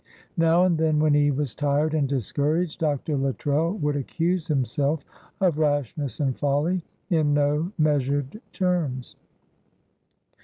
Now and then when he was tired and discouraged Dr. Luttrell would accuse himself of rashness and folly in no measured terms.